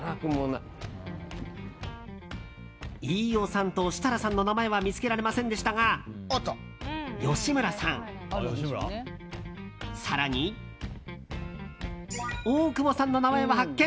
飯尾さんと設楽さんの名前は見つけられませんでしたが吉村さん、更に大久保さんの名前は発見。